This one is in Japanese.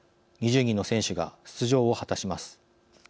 ２０人の選手が出場を果たします。